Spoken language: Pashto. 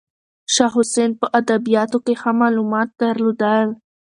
شاه حسین په ادبیاتو کې ښه معلومات درلودل.